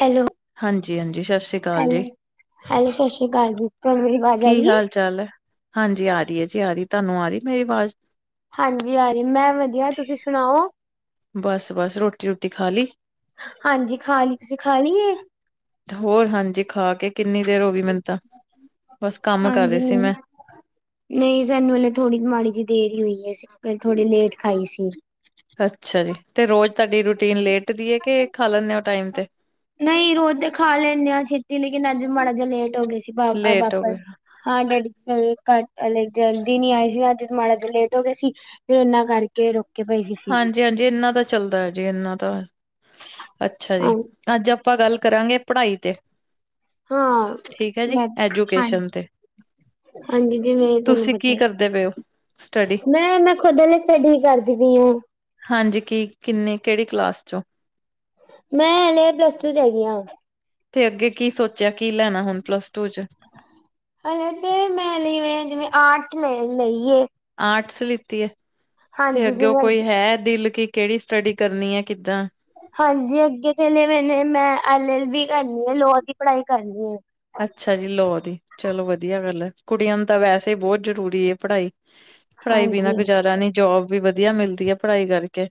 Hello. ਹਾਂਜੀ ਹਾਂਜੀ ਸਤਿ ਸ਼੍ਰੀ ਅਕਾਲ ਜੀ। ਹੈਲੋ ਸਤਿ ਸ਼੍ਰੀ ਅਕਾਲ ਜੀ ਤੁਹਾਨੁ ਮੇਰੀ ਆਵਾਜ਼ ਕੀ ਆਈ ਏ। ਹਾਲ ਚਾਲ ਹੈ? ਹਾਂਜੀ ਆ ਰਹੀ ਹੈ ਜੀ ਆ ਰਹੀ ਤੁਹਾਨੂੰ ਆ ਰਹੀ ਮੇਰੀ ਆਵਾਜ਼। ਹਾਂਜੀ ਆਰੀ ਮੈਂ ਵਧੀਆ ਤੁਸੀਂ ਸੁਣਾਓ ਬਸ, ਬਸ ਰੋਟੀ ਰੂਟੀ ਖਾ ਲਈ। ਹਾਂਜੀ ਖਾ ਲਈ ਤੁਸੀਂ ਖਾ ਲਈ ਏ। ਹੋਰ ਹਾਂਜੀ ਖਾ ਕੇ ਕਿੰਨੀ ਦੇਰ ਹੋ ਗਈ ਮੈਨੂੰ ਤਾਂ ਬਸ ਕੰਮ ਕਰ ਰਹੀ ਹਾਂਜੀ ਸੀ ਮੈਂ ਮੈਨੂੰ ਨਹੀਂ ਸਾਨੂੰ ਲੇ ਥੋੜੀ ਮਾੜੀ ਜਿਹੀ ਦੇਰ ਹੀ ਹੋਈ ਹੈ ਥੋੜੀ ਲੇਟ ਖਾਈ ਸੀ ਅੱਛਾ ਜੀ ਤੇ ਰੋਜ਼ ਤੁਹਾਡੀ ਰੂਟੀਨ ਲੇਟ ਦੀ ਹੈ ਕਿ ਖਾ ਲੈਂਦੇ ਹੋ ਟਾਈਮ ਤੇ? ਨਹੀਂ ਰੋਜ਼ ਤੇ ਖਾ ਲੈਂਦੇ ਆ ਛੇਤੀ ਲੇਕਿਨ ਅੱਜ ਮਾੜਾ ਜਿਹਾ ਲੇਟ ਹੋ ਗਏ ਸੀ ਲੇਟ ਹੋ ਵਾਪਸ ਗਏ ਹਾਂ ਡੈਡੀ ਘੱਟਲੇ ਜਲਦੀ ਨੀ ਆਈ ਸੀ ਅੱਜ ਮਾੜਾ ਜਹਾ ਲੇਟ ਹੋ ਗਿਆ ਸੀ ਫਿਰ ਉਹਨਾਂ ਕਰਕੇ ਕੇ ਰੋਕੇ ਪਏ ਸੀਗੀ ਜੇ ਇਨਾ ਦਾ ਚੱਲਦਾ ਹੈ ਜੀ ਇਨਾ ਦਾ ਅੱਛਾ ਹਾਂ ਜੀ ਅੱਜ ਆਪਾਂ ਗੱਲ ਕਰਾਂਗੇ ਪੜ੍ਹਾਈ ਤੇ ਹਾਂ ਠੀਕ ਹੈ ਜੀ ਹਾਂਜੀ ਐਜੂਕੇਸ਼ਨ ਤੇ ਹਾਂਜੀ ਜੀ ਮੈਂ ਤੁਹਾਨੂੰ ਤੁਸੀਂ ਪਤਾ ਕੀ ਕਰਦੇ ਪਏ ਹੋ? ਸਟੱਡੀ ਹੈ ਮੈਂ ਖੁਦ ਲਈ ਸਟੱਡੀ ਕਰਦੀ ਪਈ ਆ ਹਾਂਜੀ ਕੀ ਕਿੰਨੇ ਕਿਹੜੇ ਕਲਾਸ ਚੋਂ ਮੈਂ ਹਲੇ ਪਲੱਸ ਟੂ ਚ ਹੈਗੀ ਹਾਂ। ਤੇ ਅੱਗੇ ਕੀ ਸੋਚਿਆ ਕੀ ਲੈਣਾ ਹੁਣ ਪਲੱਸ ਟੂ ਚ ਹਲੇ ਤੇ ਮੈਂ ਲਈਵੇ ਜਿਵੇਂ ਆਰਠ ਲੈ ਲਈਏ ਆਰਟਸ ਲਿੱਤੀ ਹੈ ਤੇ ਹਾਂਜੀ ਅੱਗੇ ਉਹ ਜਿਵੇਂ ਕੋਈ ਹੈ ਦਿਲ ਕੀ ਕਿਹੜੀ ਸਟੱਡੀ ਕਰਨੀ ਹੈ ਕਿੱਦਾਂ ਹਾਂਜੀ ਅੱਗੇ ਚਲੇਵੇ ਨੇ ਮੈਂ ਐਲ ਐਲ ਵੀ ਕਰਨੀ ਹੈ ਲੋਅ ਦੀ ਪੜ੍ਹਾਈ ਕਰਨੀ ਹੈ। ਅੱਛਾ ਜੀ ਲੋਅ ਦੀ ਚਲੋ ਵਧੀਆ ਗੱਲ ਹੈ ਕੁੜੀਆਂ ਨੂੰ ਤਾਂ ਵੈਸੇ ਹੀ ਬਹੁਤ ਜ਼ਰੂਰੀ ਹੈ ਪੜ੍ਹਾਈ ਪੜ੍ਹਾਈ ਵੀਨਾ ਹਾਂਜੀ ਗੁਜ਼ਾਰਾ ਨੀ ਜੋਬ ਵੀ ਵਧੀਆ ਮਿਲਦੀ ਹੈ ਪੜ੍ਹਾਈ ਕਰਕੇ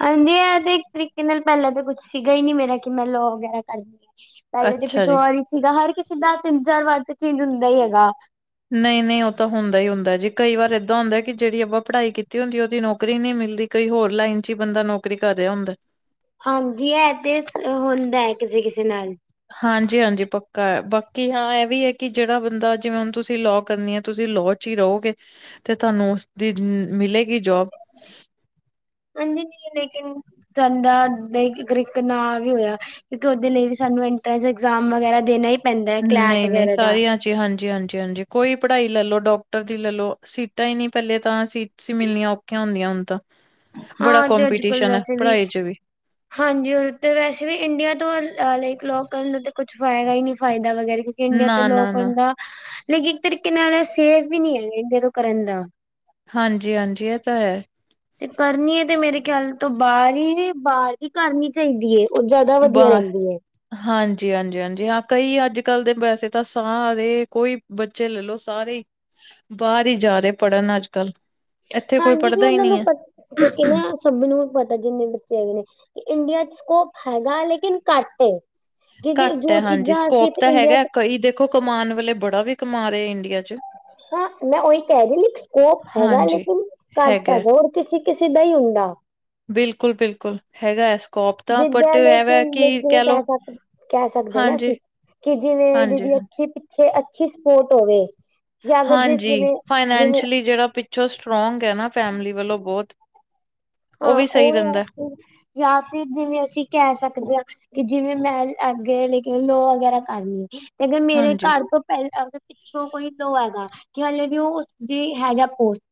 ਹਾਂਜੀ ਇਹ ਤੇ ਇੱਕ ਤਰੀਕੇ ਨਾਲ ਪਹਿਲਾਂ ਤਾਂ ਕੁਛ ਸੀਗਾ ਹੀ ਨੀ ਮੇਰਾ ਕਿ ਮੈਂ ਲੋਅ ਵਗੈਰਾ ਕਰਨ ਪਹਿਲੇ ਤੇ ਅੱਛਾ ਪਿਸ਼ੋ ਜੀ ਆ ਹੀ ਸੀਗਾ ਹਰ ਕਿਸੇ ਦਾ ਤਿੰਨ ਚਾਰ ਵਾਰ ਤੇ ਚੇਂਜ ਹੁੰਦਾ ਹੀ ਹੈਗਾ ਨਹੀਂ-ਨਹੀਂ ਉਹ ਤਾਂ ਹੁੰਦਾ ਹੀ ਹੁੰਦਾ ਜੀ ਕਈ ਵਾਰ ਏਦਾਂ ਹੁੰਦਾ ਕਿ ਜਿਹੜੀ ਆਪਾਂ ਪੜ੍ਹਾਈ ਕੀਤੀ ਹੁੰਦੀ ਉਹਦੀ ਨੌਕਰੀ ਨਹੀਂ ਮਿਲਦੀ ਕਈ ਹੋਰ ਲਾਈਨ ਚ ਹੀ ਬੰਦਾ ਨੌਕਰੀ ਕਰ ਰਿਹਾ ਹੁੰਦਾ ਹਾਂਜੀ ਇਹ ਤੇ ਹੁੰਦਾ ਹੈ ਕਿਸੇ-ਕਿਸੇ ਨਾਲ ਹਾਂਜੀ-ਹਾਂਜੀ ਪੱਕਾ ਹੈ ਬਾਕੀ ਹਾਂ ਇਹ ਵੀ ਹੈ ਕਿ ਜਿਹੜਾ ਬੰਦਾ ਜਿਵੇਂ ਹੁਣ ਤੁਸੀਂ ਲੋਅ ਕਰਨੀ ਹੈ ਤੁਸੀਂ ਲੋ ਰਹੋਗੇ ਤੇ ਤੁਹਾਨੂੰ ਉਸਦੀ ਮਿਲੇਗੀ ਜੋਬ ਹਾਂਜੀ ਲੇਕਿਨ ਚੰਡਰ ਇੱਕ ਨਾਂ ਵੀ ਹੋਇਆ ਕਿਉਂਕਿ ਉਹਦੇ ਲਈ ਵੀ ਸਾਨੂੰ ਇੰਟਰੈਂਸ ਇਗਜ਼ਾਮ ਵਗੈਰਾ ਦੇਣਾ ਹੀ ਪੈਂਦਾ ਹੈ ਕਲੈਟ ਨਹੀਂ-ਨਹੀਂ ਵਗੈਰਾ ਦਾ ਸਾਰੀਆਂ ਹਾਂਜੀ-ਹਾਂਜੀ-ਹਾਂਜੀ ਕੋਈ ਪੜ੍ਹਾਈ ਲੈਲੋ ਡਾਕਟਰ ਦੀ ਲੈਲੋ ਸੀਟਾਂ ਹੀ ਨੀ ਪਹਿਲੇ ਤਾਂ ਸੀ ਮਿਲਣੀਆਂ ਔਖੀਆਂ ਹੁੰਦੀਆਂ ਹੁਣ ਤਾਂ ਬੜਾ ਹਾਂ ਤੇ ਅੱਜ ਕੱਲ ਕੰਪੀਟੀਸ਼ਨ ਆ ਵੈਸੇ ਪੜ੍ਹਾਈ ਚ ਵੀ ਹਾਂਜੀ ਹਰ ਤੇ ਵੈਸੇ ਵੀ ਇੰਡੀਆ ਤੋਂ ਲਾਈਕ ਲੋਕ ਕਰਨ ਨੂੰ ਤੇ ਕੁਛ ਪਏਗਾ ਹੀ ਨਹੀਂ ਫਾਇਦਾ ਵਗੈਰਾ ਇੰਡੀਆ ਤੋਂ ਲੋਕ ਨਾ-ਨਾ-ਨਾ ਹੁੰਦਾ ਲੇਕਿ ਇੱਕ ਤਰੀਕੇ ਨਾਲ ਸੇਫ ਵੀ ਨੀ ਹੈ ਇੰਡੀਆ ਤੋਂ ਕਰਨ ਦਾ ਹਾਂਜੀ ਹਾਂਜੀ ਇਹ ਤਾਂ ਹੈ। ਤੇ ਕਰਨੀਏ ਤੇ ਮੇਰੇ ਖਿਆਲ ਤੋਂ ਬਾਹਰ ਹੀ ਬਾਹਰ ਹੀ ਕਰਨੀ ਚਾਹੀਦੀ ਹੈ। ਉਹ ਜ਼ਿਆਦਾ ਵਧੀਆ ਰਹਿੰਦੀ ਹੈ। ਹਾਂਜੀ ਹਾਂਜੀ ਹਾਂਜੀ ਹਾਂ ਕਈ ਅੱਜ ਕੱਲ ਦੇ ਵੈਸੇ ਤਾਂ ਸਾਰੇ ਕੋਈ ਬੱਚੇ ਲੈਲਓ ਸਾਰੇ ਹੀ ਬਾਹਰ ਹੀ ਜਾ ਰਹੇ ਪੜ੍ਹਨ ਅੱਜ ਕੱਲ੍ਹ ਹਾਂਜੀ ਵੀ ਉਹਨਾਂ ਨੂੰ ਪ ਕਿਉਂਕਿ ਨਾ ਸਭ ਨੂੰ ਪਤਾ ਜਿੰਨੇ ਬੱਚੇ ਹੈਗੇ ਨੇ ਇੰਡੀਆ ਚ ਸਕੋਪ ਹੈਗਾ ਲੇਕਿਨ ਘੱਟ ਏ ਕਿਉਂਕਿ ਘੱਟ ਹੈ ਜੋ ਹਾਂਜੀ ਚੀਜ਼ਾਂ ਅਸੀਂ ਸਕੋਪ ਇੱਥੇ ਤਾਂ ਇੰਡੀਆ ਹੈਗਾ ਚ ਕਈ ਦੇਖੋ ਕਮਾਉਣ ਵਾਲੇ ਬੜਾ ਵੀ ਕਮਾ ਰਿਹਾ ਇੰਡੀਆ ਚ ਹਾਂ ਮੈਂ ਉਹੀ ਕਹਿ ਰਹੀ ਸਕੋਪ ਹੈਗਾ ਹਾਂਜੀ ਲੇਕਿਨ ਘੱਟ ਹੈ ਹੈਗਾ ਹੋਰ ਕਿਸੇ ਕਿਸੇ ਦਾ ਹੀ ਹੁੰਦਾ ਬਿਲਕੁਲ ਬਿਲਕੁਲ ਹੈਗਾ ਸਕੋਪ ਤਾਂ ਬਟ ਜਿੱਦਾਂ ਐਵੇਂ ਲੇਕਿਨ ਕਿ ਜਿਵੇਂ ਕਹਿ ਲੋ ਸਕ ਕਹਿ ਸਕਦੇ ਨਾ ਹਾਂਜੀ ਅਸੀਂ ਕਿ ਜਿਵੇਂ ਹਾਂਜੀ ਜਦੀ ਹਾਂ ਅੱਛੀ ਪਿੱਛੇ ਅੱਛੀ ਸਪੋਰਟ ਹੋਵੇ ਜਾਂ ਅਗਰ ਜਿਸ ਹਾਂਜੀ ਜਿਵੇਂ ਜਿਵੇਂ ਫਾਈਨੈਂਸ਼ਲੀ ਜਿਹੜਾ ਪਿੱਛੋਂ ਸਟਰੋਂਗ ਹੈ ਨਾ ਫੈਮਲੀ ਵੱਲੋਂ ਬਹੁਤ ਹਾਂ ਵੀ ਸਹੀ ਉਹ ਰਹਿੰਦਾ ਹੈ ਜਾਂ ਫਿਰ ਜਿਵੇਂ ਅਸੀਂ ਕਹਿ ਸਕਦੇ ਹਾਂ ਕਿ ਜਿਵੇਂ ਮੈਂ ਅੱਗੇ ਲੈ ਕੇ ਲੋਅ ਵਗੈਰਾ ਕਰਨੀ ਤੇ ਅਗਰ ਮੇਰੇ ਹਾਂਜੀ ਘਰ ਤੋਂ ਪਹਿਲਾਂ ਪਿੱਛੋਂ ਕੋਈ ਲੋ ਹੈਗਾ ਕਿ ਹਾਲੇ ਵੀ ਉਹ ਉਸਦੀ ਹੈਗਾ ਪੋਸਟ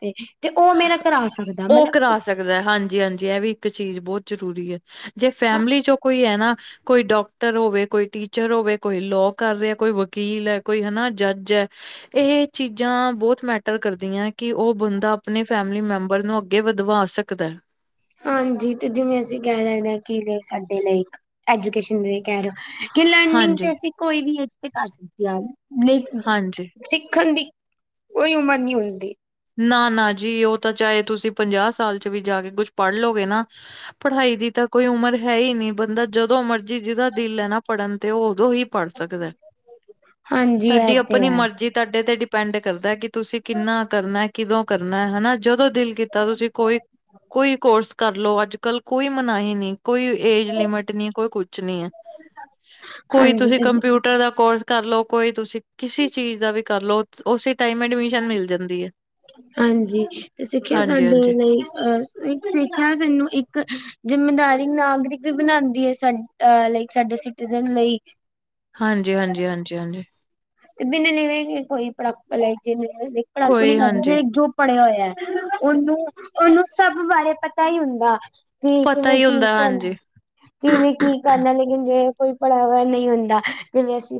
ਤੇ ਉਹ ਮੇਰਾ ਕਰਾ ਸਕਦਾ ਉਹ ਮਤਲਬ ਕਰਾ ਸਕਦਾ ਹਾਂਜੀ ਹਾਂਜੀ ਇਹ ਵੀ ਇੱਕ ਚੀਜ਼ ਬਹੁਤ ਜ਼ਰੂਰੀ ਹੈ ਜੇ ਫੈਮਲੀ ਚੋਂ ਕੋਈ ਹੈ ਨਾ ਕੋਈ ਡਾਕਟਰ ਹੋਵੇ ਕੋਈ ਟੀਚਰ ਹੋਵੇ ਕੋਈ ਲੋਅ ਕਰ ਰਿਹਾ ਕੋਈ ਵਕੀਲ ਹੈ ਕੋਈ ਹੈਨਾ ਜੱਜ ਹੈ। ਇਹ ਚੀਜ਼ਾਂ ਬਹੁਤ ਮੈਟਰ ਕਰਦੀਆਂ ਕਿ ਉਹ ਬੰਦਾ ਆਪਣੇ ਫੈਮਿਲੀ ਮੈਂਬਰ ਨੂੰ ਅੱਗੇ ਵਧਵਾ ਸਕਦਾ ਹੈ। ਹਾਂਜੀ ਤੇ ਜਿਵੇਂ ਅਸੀਂ ਕਹਿ ਸਕਦੇ ਹਾਂ ਕਿ ਸਾਡੇ ਲਈ ਐਜੂਕੇਸ਼ਨ ਕਹਿ ਰਹੇ ਹੋ। ਕਿ ਲਰਨਿੰਗ ਤੇ ਹਾਂਜੀ ਅਸੀਂ ਕੋਈ ਵੀ ਏਜ ਤੇ ਕਰ ਸਕਦੇ ਹਾਂ ਲ ਹਾਂਜੀ ਸਿੱਖਣ ਦੀ ਕੋਈ ਉਮਰ ਨਹੀਂ ਹੁੰਦੀ। ਨਾ ਨਾ ਜੀ ਉਹ ਤਾਂ ਚਾਹੇ ਤੁਸੀਂ ਪੰਜਾਹ ਸਾਲ ਚ ਵੀ ਜਾ ਕੇ ਕੁਛ ਪੜ੍ਹ ਲਓਗੇ ਨਾ ਪੜ੍ਹਾਈ ਦੀ ਤਾਂ ਕੋਈ ਉਮਰ ਹੈ ਹੀ ਨਹੀਂ ਬੰਦਾ ਜਦੋਂ ਮਰਜ਼ੀ ਜਿਹਦਾ ਦਿਲ ਹੈ ਨਾ ਪੜ੍ਹਨ ਤੇ ਉਦੋਂ ਹੀ ਪੜ ਸਕਦਾ ਹਾਂਜੀ ਇਹ ਤੁਹਾਡੀ ਤੇ ਆਪਣੀ ਹੈ ਮਰਜ਼ੀ ਤੁਹਾਡੇ ਤੇ ਡਿਪੈਂਡ ਕਰਦਾ ਕਿ ਤੁਸੀਂ ਕਿੰਨਾ ਕਰਨਾ ਕਿਦੋਂ ਕਰਨਾ ਹਨਾ ਜਦੋਂ ਦਿਲ ਕੀਤਾ ਤੁਸੀਂ ਕੋਈ ਕੋਈ ਕੋਰਸ ਕਰਲੋ ਅੱਜ ਕੱਲ ਕੋਈ ਮਨਾਹੀ ਨਹੀਂ। ਕੋਈ ਏਜ ਲਿਮਿਟ ਨੀ ਕੋਈ ਕੁਛ ਨੀ ਹੈ ਕੋਈ ਹਾਂਜੀ ਤੁਸੀਂ ਤੇ ਕੰਪਿਊ ਦਾ ਕੋਰਸ ਕਰਲ ਕੋਈ ਤੁਸੀਂ ਕਿਸੇ ਚੀਜ਼ ਦਾ ਵੀ ਕਰ ਲਓ ਉਸੇ ਟਾਈਮ ਐਡਮਿਸ਼ਨ ਮਿਲ ਜਾਂਦੀ ਹੈ। ਹਾਂਜੀ ਤੇ ਸਿੱਖਿਆ ਹਾਂਜੀ ਸਾਡੇ ਹਾਂਜੀ ਲਈ ਅ ਇੱਕ ਸਿੱਖਿਆ ਸਾਨੂੰ ਇੱਕ ਜਿੰਮੇਦਾਰੀ ਨਾਗਰਿਕ ਵੀ ਬਣਾਉਂਦੀ ਹੈ ਸਾਡੇਲਈ ਸਾਡੇ ਸਿਡਿਜ਼ਨ ਲਈ ਹਾਂਜੀ, ਹਾਂਜੀ, ਹਾਂਜੀ, ਹਾਂਜੀ। [unintelligible] ਕੋਈ ਹਾਂਜੀ ਪੜੇ ਹੋਏ ਹੈ ਉਹਨੂੰ ਨੂੰ ਸਭ ਬਾਰੇ ਪਤਾ ਹੀ ਹੁੰਦਾ। ਪਤਾ ਕਿਵੇਂ ਹੀ ਕੀ ਹੁੰਦਾ ਕਰਨਾ ਹਾਂਜੀ ਕਿਵੇਂ ਕੀ ਕਰਨਾ ਲੇਕਿਨ ਜਿ ਕੋਈ ਪੜਾਵਾ ਨਹੀਂ ਹੁੰਦਾ ਜਿਵੇਂ ਅਸੀਂ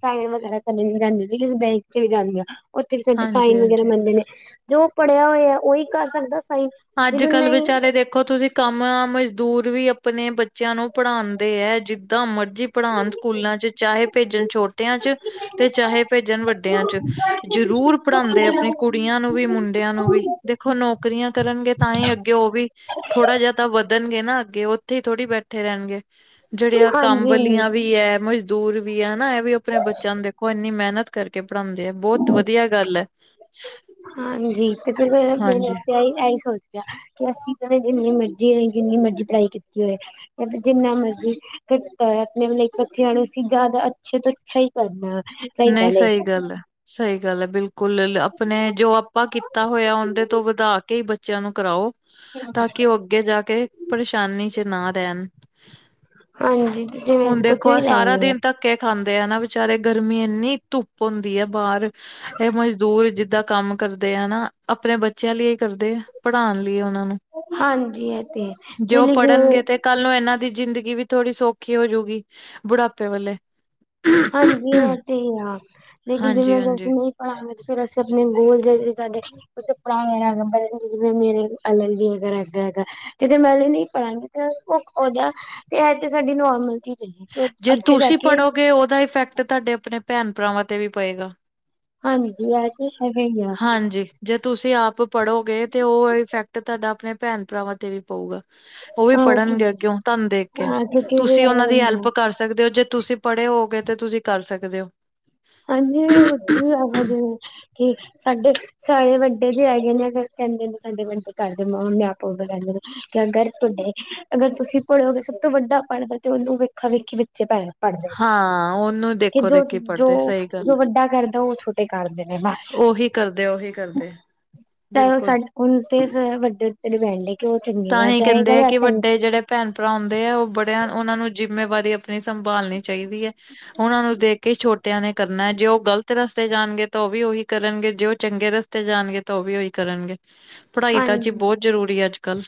ਸਾਈਨ ਵਗੈਰਾ ਕਰਨ ਨ ਜਾਂਦੀ ਜਸੀਂ ਬੈਂਕ ਤੇ ਵੀ ਜਾਂਦੀ ਆ ਉੱਥੇ ਵੀ ਸਾਡੇ ਹਾਂਜੀ ਸਾਈਨ ਹਾਂਜੀ ਵਗ਼ਰਾ ਮੰਨਦੇ ਨੇ ਜੋ ਪੜ੍ਹਿਆ ਹੋਇਆ ਉਹੀ ਕਰ ਸਕਦਾ ਸਾਈਨ ਅੱਜ ਜਿਹਨੂੰ ਕੱਲ੍ਹ ਨਹੀਂ ਵਿਚਾਰੇ ਦੇਖੋ ਤੁਸੀਂ ਕੰਮ ਮਜ਼ਦੂਰ ਵੀ ਆਪਣੇ ਬੱਚਿਆਂ ਨੂੰ ਪੜ੍ਹਾਉਂਦੇ ਹੈ ਜਿੱਦਾਂ ਮਰਜੀ ਪੜ੍ਹਾਉਣ ਸਕੂਲਾਂ ਚ ਚਾਹ ਭੇਜਣ ਛੋਟਿਆਂ ਚ ਤੇ ਚਾਹੇ ਭੇਜਣ ਵੱਡਿਆਂ ਚ ਹਾਂਜੀ ਜ਼ਰੂਰ ਪੜਾਉਂਦੇ ਆਪਣੀ ਕੁੜ ਕੁੜੀਆਂ ਨੂੰ ਵੀ ਮੁੰਡਿਆਂ ਨੂੰ ਵੀ ਦੇਖੋ ਨੌਕਰੀਆਂ ਕਰਨਗੇ ਤਾਂ ਹੀ ਅੱਗੇ ਉਹ ਵੀ ਥੋੜ੍ਹਾ ਜਿਹਾ ਤਾਂ ਵੱਧਣਗੇ ਨਾ ਅੱਗੇ ਉੱਥੇ ਹੀ ਥੋੜ੍ਹੀ ਬੈਠੇ ਰਹਿਣਗੇ। ਜਿਹੜੀਆਂ ਕੰਮ ਹਾਂਜੀ ਵਾਲੀਆਂ ਵੀ ਹੈ ਮਜ਼ਦੂਰ ਵੀ ਹੈ ਹਨਾ ਇਹ ਵੀ ਆਪਣੇ ਬੱਚਿਆਂ ਨੂੰ ਦੇਖੋ ਇੰਨੀ ਮਿਹਨਤ ਕਰਕੇ ਪੜ੍ਹਾਉਂਦੇ ਆ ਬਹੁਤ ਵਧੀਆ ਗੱਲ ਹੈ। ਹ [unintelligible] ਹਾਂਜੀ ਤੇ ਫਿਰ ਮ ਆ ਐਹੀ ਸੋਚ ਕਿ ਅਸੀਂ ਕਹਿੰਦੇ ਜਿੰਨੀ ਮਰਜ਼ੀ ਜਿੰਨੀ ਮਰਜ਼ੀ ਪੜ੍ਹਾਈ ਕੀਤੀ ਹੋਏ ਜਿੰਨਾ ਮਰਜ਼ੀ ਘਟਤਾ ਆਪਣੇ ਬਚਿਆਂ ਨੂੰ ਅਂ ਜ਼ਿਆਦਾ ਅੱਛੇ ਤੋਂ ਅੱਛਾ ਹੀ ਕਰਨਾ। ਚਾਹੀਦਾ ਨਹੀਂ ਸਹੀ ਲਾਈਕ ਗੱਲ ਹੈ ਸਹੀ ਗੱਲ ਹੈ ਬਿਲਕੁਲ। ਕੁੱਲ ਆਪਣੇ ਜੋ ਆਪਾਂ ਕੀਤਾ ਹੋਇਆ ਉਹਦੇ ਤੋਂ ਵਧਾ ਕੇ ਹੀ ਬੱਚਿਆਂ ਨੂੰ ਕਰਾਓ। ਤਾਂ ਕਿ ਉਹ ਅੱਗੇ ਜਾ ਕੇ ਪਰੇਸ਼ਾਨੀ ਚ ਨਾ ਰਹਿਣ। ਹਾਂਜੀ ਜਿਵੇਂ ਹੁਣ ਅਸੀਂ ਕੁਛ ਦੇਖੋ ਵੀ ਆ ਲੈ ਸਾਰਾ ਲਈਏ ਦਿਨ ਧੱਕੇ ਖਾਂਦੇ ਆ ਨਾ ਵਿਚਾਰੇ ਗ ਗਰਮੀ ਇੰਨੀ ਧੁੱਪ ਹੁੰਦੀ ਹੈ ਬਾਹਰ ਇਹ ਮਜ਼ਦੂਰ ਜਿੱਦਾਂ ਕੰਮ ਕਰਦੇ ਹਨਾ ਆਪਣੇ ਬੱਚਿਆਂ ਲਈ ਹੀ ਕਰਦੇ ਪੜ੍ਹਾਉਣ ਲਈ ਉਹਨਾਂ ਨੂੰ ਹਾਂਜੀ ਇਹ ਤੇ ਜੇ ਉਹ ਪੜ੍ਹਨਗੇ [unintelligible] ਤੇ ਕੱਲ ਨੂੰ ਇਹਨਾਂ ਦੀ ਜ਼ਿੰਦਗੀ ਵੀ ਥੋੜ੍ਹੀ ਸੌਖੀ ਹੋਜੂਗੀ ਬੁਢਾਪੇ ਵੇਲੇ ਹਾਂਜੀ ਇਹ ਤੇ ਹੀ ਆ ਲੇਕਿਨ ਜਿਵੇਂ ਬਸ ਹਾਂਜੀ-ਹਾਂਜੀ। ਫਿਰ ਅਸੀਂ ਆਪਣੇ ਬੂਲ ਜ ਸਾਡੇ ਕੁਛ ਕਪੜਾ ਵਗੈਰਾ ਜਿਵੇ ਮੇਰੇ ਅਲਰ ਵੀ ਹੈਗ ਹੈਗਾ ਹੈਗਾ। ਕਿਤੇ ਮੈਂ ਨਹੀਂ ਪੜਾਂਗੀ ਤੇ ਭੁ ਓਦਾ ਤੇ ਇਹ ਤੇ ਸਾਡੀ ਨੋਰਮਲ ਚੀ ਜੇ ਤੁਸੀਂ ਪੜ੍ਹੋਗੇ ਉਹਦਾ ਇਫੈਕਟ ਤੁਹਾਡੇ ਆਪਣੇ ਭੈਣ ਭਰਾਵਾਂ ਤੇ ਵੀ ਪਏਗਾ। ਹਾਂਜੀਜੀੀ ਅਜ ਹੈਗਾ ਹੀ ਆ। ਹਾਂਜੀ, ਜੇ ਤੁਸੀਂ ਆਪ ਪੜ੍ਹੋਗੇ ਤੇ ਉਹ ਇਫੈਕਟ ਤੁਹਾਡਾ ਆਪਣੇ ਭੈਣ ਭਰਾਵਾਂ ਤੇ ਵੀ ਪਊਗਾ। ਉਹ ਵੀ ਹਾਂ ਪੜ੍ਹਨਗੇ ਅੱਗੇਓ ਤੁਹਾਨੂੰ ਦੇਖ ਕੇ ਕਿਉਂਕਿ ਵੀ ਤੁਸੀਂ ਇਹ ਉਹਨਾਂ ਦੀ ਹੁੰਦਾ ਹੈਲਪ ਕਰ ਸਕਦੇ ਓ, ਜੇ ਤੁਸੀਂ ਪੜ੍ਹੇ ਹੋਗੇ ਤੇ ਤੁਸੀਂ ਕਰ ਸਕਦੇ ਓ। ਹਾਂਜੀ, ਵਧੀਆ ਵਾ ਜਿਵੇਂ ਕਿ ਸਾਡੇ ਸਾਰੇ ਵੱਡੇ ਵੀ ਹੈਗੇ ਨੇ, ਫਿਰ ਕਹਿੰਦੇ ਸਾਡੇ ਵੱਡੇ ਘਰ [unintelligible] ਲੈ ਲੋ। ਅਗਰ ਤੁਹਾਡੇ, ਅਗਰ ਤੁਸੀਂ ਪੜ੍ਹੋਗੇ ਸਭ ਤੋਂ ਵੱਡਾ ਪੜ੍ਹਦਾ ਤੇ ਉਹਨੂੰ ਵੇਖਾ ਵੇਖੀ ਬੱਚੇ ਪੜ੍ਹ ਹਾਂ, ਓਨੂੰ ਦੇਖੋ-ਦੇਖੀ ਜੋ ਪੜ੍ਹਦੇ ਸਈ ਗੱਲ। ਜੋ ਵੱਡਾ ਕਰਦਾ ਓ ਛੋਟੇ ਕਰਦੇ ਨੇ ਬਸ, ਉਹੀ ਕਰਦੇ ਉਹੀ ਕਰਦੇ ਚਾਹੇ ਓ ਬਿਲਕੁਲ। ਸਾਡ ਹੁਨ ਤੇ ਫੇਰ ਵੱਡੇ ਉੱਤੇ ਡਿਪੈਂਡ ਏ। ਤਾਂ ਹੀ ਕਹਿੰਦੇ ਐ ਕਿ ਵੱਡੇ ਜੇੜੇ ਭੈਣ ਭਰਾ ਹੁੰਦੇ ਆ, ਓ ਬੜੇ ਓਨਾਂ ਨੂੰ ਜਿੰਮੇਵਾਰੀ ਅਪਨੀ ਸੰਭਾਲਣੀ ਚਾਈਦੀ ਐ, ਓਨਾਂ ਨੂੰ ਦੇਖ ਤੇ ਛੋਟਿਆਂ ਨੇ ਕਰਨਾ ਜੇ ਉਹ ਗ਼ਲਤ ਰਸ ਰਸਤੇ ਜਾਨਗੇ ਤਾਂ ਓ ਵੀ ਓਈ ਕਰਨਗੇ, ਜੇ ਓ ਚੰਗੇ ਰਸਤੇ ਜਾਨਗੇ ਤਾਂ ਓ ਵੀ ਓਈ ਕਰਨਗੇ। ਪੜ੍ਹਾਈ ਤਾਂ ਜੀ ਹਾਂਜੀ ਬੋਤ ਜ਼ਰੂਰੀ ਐ ਅੱਜ-ਕੱਲ੍ਹ।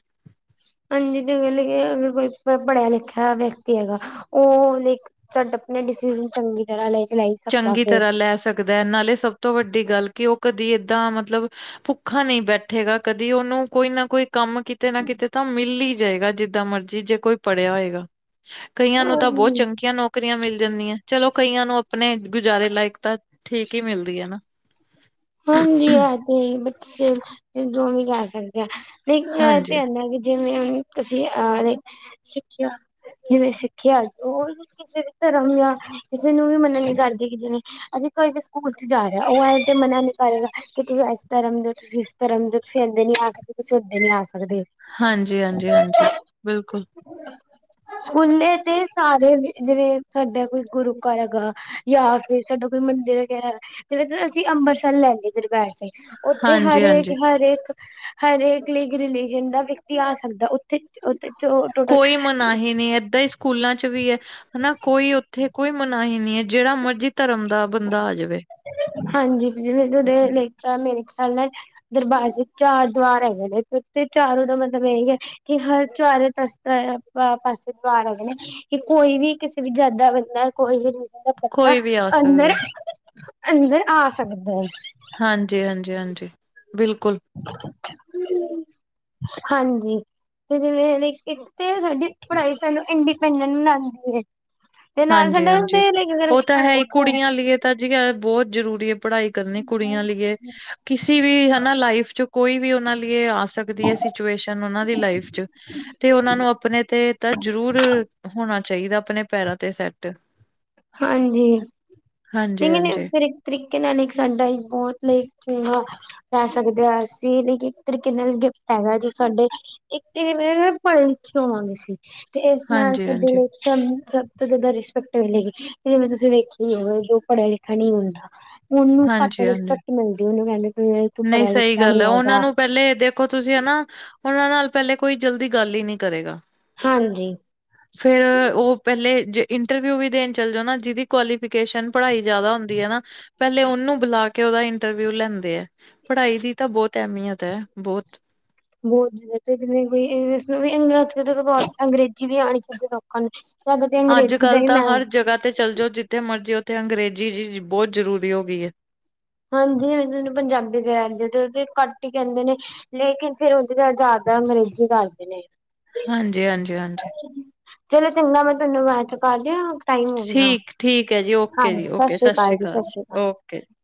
ਹਾਂਜੀ ਤੇ [unintelligible] ਕੋਈ ਪੜ੍ਹਿਆ ਲਿਖਿਆ ਵਿਅਕਤੀ ਹੈਗਾ ਓ ਲੇਖ ਡ ਆਪਨੇ ਡਿਸੀਜ਼ਨ ਚੰਗੀ ਤਰ੍ਹਾਂ ਲੈ [unintelligible] ਚੰਗੀ ਤਰ੍ਹਾਂ ਲੈ ਸਕਦਾ ਐ, ਨਾਲੇ ਸਭ ਤੋਂ ਵੱਡੀ ਗੱਲ ਕਿ ਓ ਕਦੀ ਏਦਾਂ ਮਤਲਬ ਭੁੱਖਾ ਨਈ ਬੈਠੇਗਾ ਕਦੀ ਉਹਨੂੰ ਕੋਈ ਨਾ ਕੋਈ ਕੰਮ, ਕਿਤੇ ਨਾ ਕਿਤੇ ਤਾਂ ਮਿਲ ਹੀ ਜਾਏਗਾ ਜਿੱਦਾਂ ਮਰਜ਼ ਜੀ, ਜੇ ਕੋਈ ਪੜ੍ਹਿਆ ਹੋਏਗਾ। ਕਈਆਂ ਨੂੰ ਤਾਂ ਬਹੁਤ ਫਿਰ ਚੰਗੀਆਂ ਨੌਕਰੀਆਂ ਮਿਲ ਜਾਂਦੀਆਂ, ਚਲੋ ਕਈਆਂ ਨੂੰ ਅਪਨੇ ਗੁਜ਼ਾਰੇ ਲਾਇਕ ਤਾਂ ਠੀਕ ਹੀ ਮਿਲਦੀ ਐ ਨਾ। ਹਾਂਜੀ ਇਹ ਤੇ ਹੈ ਬੱਚੇ ਜੋ ਵੀ ਕਰ ਸਕਦੇ ਆ ਲੇਕਿਨ ਐ ਤੇ ਹਾਂਜੀ ਹੈ ਨਾ ਜਿਵੇਂ [unintelligible] ਸਿੱਖਿਆ ਜਿਵੇਂ ਸਿੱਖਿਆ [unintelligible] ਕਿਸੇ ਵੀ ਧਰਮ ਯਾ ਕਿਸੇ ਨੂੰ ਵੀ ਮੰਨਾ ਨੀ ਕਰਦੀ ਕਿ ਜਿਵੇਂ ਅਸੀਂ ਕੋਈ ਵੀ ਸਕੂਲ 'ਚ ਜਾ ਰਿਹਾ ਉਹ ਐ ਤੇ ਮਨਾ ਨ ਕਰੇਗਾ ਕਿ ਤੁਸੀਂ ਇਸ ਧਰਮ ਦੇ, ਤੁਸੀਂ ਇਸ ਧਰਮ ਦੇ ਤੁਸੀਂ ਇੱਦਾਂ ਨੀ ਆ ਸਕਦੇ, ਤੁਸੀਂ ਉਦੇ ਨੀ ਆ ਸਕਦੇ। ਹਾਂਜੀ, ਹਾਂਜੀ, ਹਾਂਜੀ ਬਿਲਕੁਲ। ਸਕੂਲੇ ਤੇ ਸਾਰੇ ਜਿਵੇਂ ਸਾਡਾ ਕੋਈ ਗੁਰੂ ਘਰ ਹੈਗਾ। ਯਾ ਫਿਰ ਸਾਡਾ ਕੋਈ ਮੰਦਿਰ ਹੈਗਾ ਤੇ [unintelligible] ਅਸੀਂ ਅੰਬਰਸਰ ਲੈਂਦੇ ਦਰਬਾਰ ਸਾਹਿਬ, ਓਥੇ ਹਾਂਜੀ ਹਾਂਜੀ ਹਰੇਕ-ਹਰੇਕ ਹਰੇਕ ਲਈ ਰਿਲੀਜਨ ਦਾ ਵਿਅਕਤੀ ਆ ਸਕਦਾ। ਤੇ ਓਥੇ ਕੋਈ ਮਨਾਹੀ ਨਹੀਂ, ਏਦਾਂ ਈ ਸਕੂਲਾਂ 'ਚ ਵੀ ਹੈ ਹਨਾ ਕੋਈ ਓਥੇ ਕੋਈ ਮਨਾਹੀ ਨੀ ਐ, ਜਿਹੜਾ ਮਰਜ਼ੀ ਧਰਮ ਦਾ ਬੰਦਾ ਆ ਜਾਵੇ। ਹਾਂਜੀ ਜੀ [unintelligible] ਮੇਰੇ ਖਿਆਲ ਨਾਲ ਦਰਬਾਰ ਸਾਹਬ ਚਾਰ ਦਵਾਰ ਹੈਗੇ ਨੇ, ਓਥੇ ਚਾਰੋਂ ਦਾ ਮਤਲਬ ਐ ਹੀ ਐ ਕਿ ਹਰ [unintelligible] ਪਾਸੇ ਦਵਾਰ ਹੈਗੇ ਨੇ। ਕਿ ਕੋਈ ਵੀ ਕਿਸੇ ਵੀ ਜਾਤ ਦਾ ਬੰਦਾ ਕੋਈ ਵੀ ਬੰਦਾ ਕੋਈ ਵੀ ਆ ਅੰਦਰ, ਸਕਦਾ ਅੰਦਰ ਆ ਸਕਦਾ ਐ। ਹਾਂਜੀ, ਹਾਂਜੀ, ਹਾਂਜੀ ਬਿਲਕੁਲ। ਹਾਂਜੀ। ਤੇ ਜਿਵੇਂ ਹੁਨ ਇੱਕ, ਇੱਕ ਤੇ ਸਾਡੀ ਪੜ੍ਹਾਈ ਸਾਨੂੰ ਇੰਡੀਪੈਂਡਟ ਬਨਾਦੀ ਏ। ਤੇ ਨਾਲ ਸਾਡੇ ਹਾਂਜੀ-ਹਾਂਜੀ। ਉਹ ਤਾਂ [unintelligible] ਹੈ ਹੀ ਕੁੜੀਆਂ ਲਈਏ ਤਾਂ ਜੀ ਐ ਬੋਤ ਜ਼ਰੂਰੀ ਐ, ਪੜ੍ਹਾਈ ਕਰਨੀ ਕੁੜੀਆਂ ਲੀਯੇ। ਕਿਸੇ ਵੀ ਹਨਾ, ਲਾਈਫ 'ਚ ਕੋਈ ਵੀ ਓਨਾਂ ਲੀਯੇ ਆ ਸਕਦੀ ਏ ਸਿਚੁਏਸ਼ਨ ਓਨਾਂ ਦੀ ਲਾਈਫ 'ਚ। ਤੇ ਓਨਾਂ ਨੂੰ ਅਪਨੇ ਤੇ ਤਾਂ ਜ਼ਰੂਰ ਹੋਣਾ ਚਾਹੀਦਾ ਅਪਨੇ ਪੈਰਾਂ ਤੇ ਸੈਟ। ਹਾਂਜੀ, ਲੇਕਿਨ ਹਾਂਜੀ-ਹਾਂਜੀ, ਫਿਰ ਇੱਕ ਤਰੀਕੇ ਨਾਲ ਇੱਕ ਸਾਡਾ ਬੋਤ [unintelligible] [unintelligible] ਅਸੀਂ ਲਾਇਕ ਇੱਕ ਤਰੀਕੇ ਨਾਲ ਗਿਫਟ ਹੈਗਾ ਜੋ ਸਾਡੇ ਇੱਕ [unintelligible] ਸੀ। ਤੇ ਇਸ ਨਾਲ ਸਾਡੇ ਹਾਂਜੀ-ਹਾਂਜੀ, ਲਈ [unintelligible] ਸਭ ਤੋਂ ਜ਼ਿਆਦਾ ਰਿਸਪੈਕਟ ਮਿਲੇਗੀ। ਜਿਵੇਂ ਤੁਸੀਂ ਵੇਖਿਆ ਈ ਐ ਜੋ ਪੜਿਆ ਲਿਖਿਆ ਨਈ ਹੁੰਦਾ। ਉਹਨੂੰ ਘੱਟ ਹਾਂਜੀ-ਹਾਂਜੀ। ਰਿਸਪੈਕਟ ਮਿਲਦੀ ਉਹਨੂੰ ਕਹਿੰਦੇ ਵੀ ਨਹੀਂ ਸਹੀ ਗੱਲ ਹੈ ਉਹਨਾਂ ਨੂੰ ਪਹਿਲੇ ਦੇਖੋ ਤੁਸੀਂ ਹਨਾ ਉਹਨਾਂ ਨਾਲ ਪਹਿਲੇ ਕੋਈ ਜਲਦੀ ਗੱਲ ਹੀ ਨਹੀਂ ਕਰੇਗਾ ਹਾਂਜੀ ਫੇਰ ਉਹ ਪਹਿਲੇ ਇੰਟਰਵਿਊ ਵੀ ਦੇਣ ਚੱਲ ਜਾ ਨਾ ਜਿਹਦੀ ਕੁਆਲੀਫਿਕੇਸ਼ਨ ਪੜ੍ਹਾਈ ਜਿਆਦਾ ਹੁੰਦੀ ਹੈ ਨਾ, ਪਹਿਲੇ ਉਹਨੂੰ ਬੁਲਾ ਕੇ ਉਹਦਾ ਇੰਟਰਵਿਊ ਲੈਂਦੇ ਆ ਪੜ੍ਹਾਈ ਦੀ ਤਾਂ ਬਹੁਤ ਅਹਿਮੀਅਤ ਹੈ ਬਹੁਤ ਬਹੁਤ ਜਿਵੇਂ ਕੇ ਇੰਗਲੀਸ਼ ਵੀ ਅੰਗਰੇਜ਼ੀ ਵੀ ਆਉਣੀ ਚ ਲੋਕਾਂ ਨੂੰ ਤੇ [unintelligible] ਤੁਹਾਨੂੰ ਤਾਂ ਅੱਜ ਅੰਗਰੇਜ਼ੀ ਦਾ ਕੱਲ੍ਹ ਹੀ ਤਾਂ ਮੈਂਮ ਹਰ ਜਗ੍ਹਾ ਤੇ ਚੱਲ ਜਾਓ ਜਿੱਥੇ ਮਰਜ਼ੀ, ਉੱਥੇ ਅੰਗਰੇਜ਼ੀ ਜੀ ਬਹੁਤ ਜ਼ਰੂਰੀ ਹੋ ਗਈਏ। ਹਾਂਜੀ। ਮੈਨੂੰ ਪੰਜਾਬੀ ਗਾਦੇ ਤੇ ਉਹ ਘੱਟ ਹੀ ਕਹਿੰਦੇ ਨੇ। ਲੇਕਿਨ ਫੇਰ ਉਹਦੇ ਨਾਲ ਜ਼ਿਆਦਾ ਅੰਗਰੇਜੀ ਕਰਦੇ ਨੇ। ਹਾਂਜੀ- ਹਾਂਜੀ -ਹਾਂਜੀ ਚਲੋ ਚੰਗਾ ਮੈਂ ਤੈਨੂੰ ਬਾਅਦ ਚ ਕਰ ਦਵਾ। ਠੀਕ ਠੀਕ ਹੈ ਜੀ ਓਕੇ ਜੀ ਓਕੇ ਸਤਿ ਸ਼੍ਰੀ ਅਕਾਲ ਜੀ ਓਕੇ ਜੀ